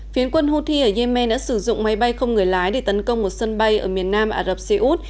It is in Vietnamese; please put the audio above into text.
phiến quân houthi ở yemen đã sử dụng máy bay không người lái để tấn công một sân bay ở miền nam ả rập xê út